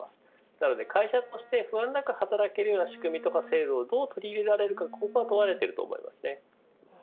なので会社として不安なく働けるような仕組みとか制度をどう取り入れられるかここが問われているというように思いますね。